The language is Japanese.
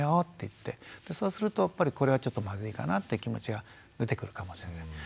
そうするとやっぱりこれはちょっとまずいかなって気持ちが出てくるかもしれない。